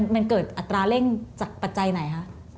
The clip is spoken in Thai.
มันเกิดอัตราเร่งจากปัจจัยไหนคะ